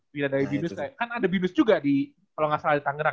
pilih dari binus kan kan ada binus juga di kalau gak salah di tangerang